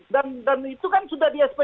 dan itu kan sudah di sp tiga